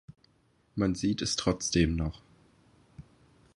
Man sieht es trotzdem noch.